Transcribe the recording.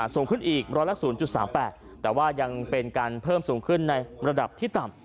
สูงขึ้นอีกร้อยละ๐๓๘แต่ว่ายังเป็นการเพิ่มสูงขึ้นในระดับที่ต่ำ